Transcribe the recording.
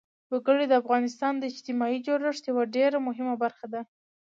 وګړي د افغانستان د اجتماعي جوړښت یوه ډېره مهمه برخه ده.